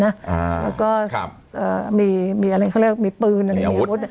แล้วก็ครับเอ่อมีมีอะไรเขาเรียกว่ามีปืนอะไรมีอาวุธ